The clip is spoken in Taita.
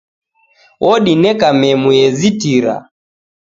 Odineka memu ye zitira